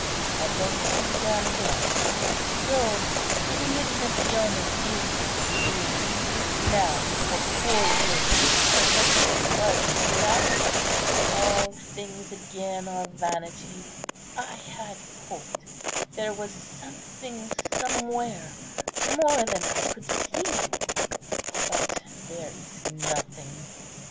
At length, she began again:— "So the religion of Chione is a dream; now for four years I had hoped it was a reality. All things again are vanity; I had hoped there was something somewhere more than I could see; but there is nothing.